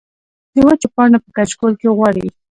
د وچو پاڼو پۀ کچکول کې غواړي